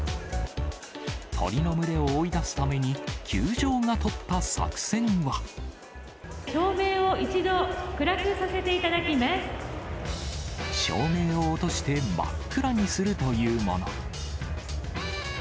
鳥の群れを追い出すために、照明を一度、暗くさせていた照明を落として真っ暗にするというもの。